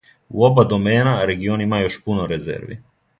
У оба домена, регион има још пуно резерви.